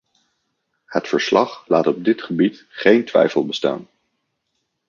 Het verslag laat op dit gebied geen twijfel bestaan.